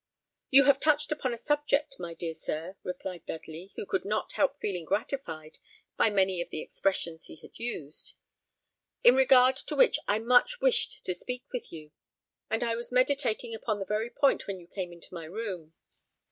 "You have touched upon a subject, my dear sir," replied Dudley, who could not help feeling gratified by many of the expressions he had used, "in regard to which I much wished to speak with you; and I was meditating upon the very point when you came into my room.